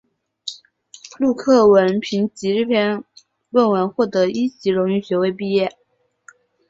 陆克文凭藉这篇论文获得一级荣誉学位毕业。